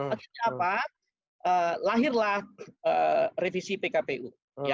akhirnya apa lahirlah revisi pkpu